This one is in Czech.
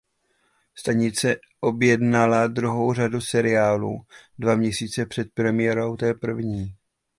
Stanice objednala druhou řadu seriálu dva měsíce před premiérou té první.